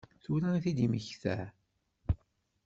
Tura i t-id-yemmekta?